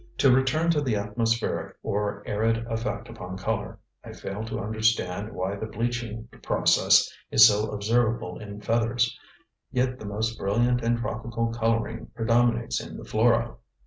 To return to the atmospheric or arid effect upon color, I fail to understand why the bleaching process is so observable in feathers, yet the most brilliant and tropical coloring predominates in the flora.